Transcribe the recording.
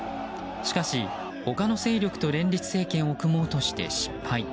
しかし、他の勢力と連立政権を組もうとして失敗。